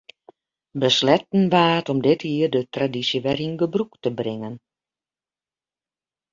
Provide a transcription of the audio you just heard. Besletten waard om dit jier de tradysje wer yn gebrûk te bringen.